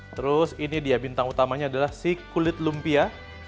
terus ini dia bintang utamanya adalah si kulit lumpia